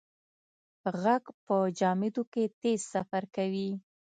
غږ په جامدو کې تېز سفر کوي.